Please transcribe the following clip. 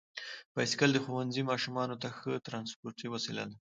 بایسکل د ښوونځي ماشومانو ته ښه ترانسپورتي وسیله ده.